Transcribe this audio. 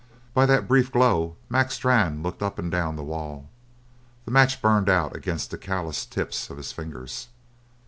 By that brief glow Mac Strann looked up and down the wall. The match burned out against the calloused tips of his fingers.